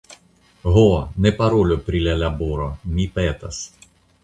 Ho, ne parolu pri la laboro, mi petas.